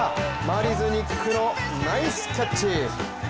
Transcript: マリズニックのナイスキャッチ。